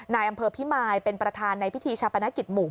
นายอำเภอพิมายเป็นประธานในพิธีชาปนกิจหมู่